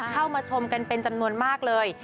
เข้ามาชมกันเป็นจำนวนมากเลย